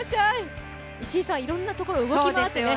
石井さん、いろんなところを動き回ってね。